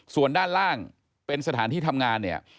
ส่วนด้านล่างเป็นสถานที่ทำงานเนี่ย